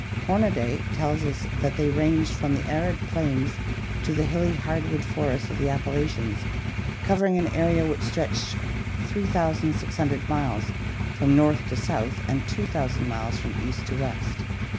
Homaday tells us that they ranged from the arid plains to the hilly hard wood forests of the Appalachians, covering an area which stretched 3600 miles from north to south by 2000 miles from east to west.